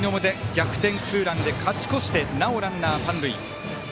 逆転ツーランで勝ち越してなお、ランナー、三塁。